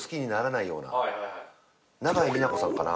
永井美奈子さんかな。